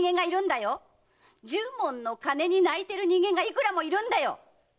十文の金に泣いてる人間がいくらもいるんだよ！